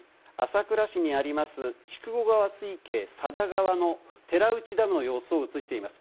朝倉市にあります、筑後川水系・佐田川の寺内ダムの様子を映しています。